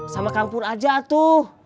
sama kang pur aja tuh